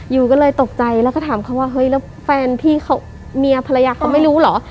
ยูก็เลยตกใจแล้วก็ถามเขาว่าเฮ้ยแล้วแฟนพี่เมียภรรยาเขาไม่รู้เหรอ